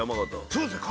そうですね。